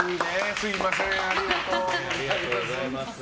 すみませんありがとうございます。